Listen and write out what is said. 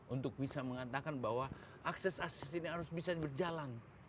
untuk bisa mengatakan bahwa akses akses ini harus bisa berjalan